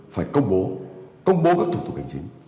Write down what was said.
phải công bố công bố các thủ tục hành chính